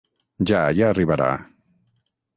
Ja, ja arribarà...